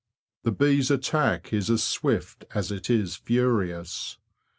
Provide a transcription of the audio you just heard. The bee's attack is as swift as it is furious.